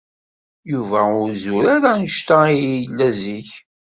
Yuba ur zur ara anect ay yella zik.